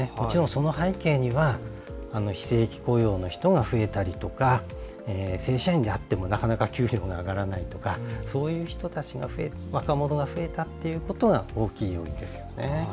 その背景には非正規雇用の人が増えたりとか正社員であっても、なかなか給料が上がらないとかそういう若者が増えたっていうことが大きい要因です。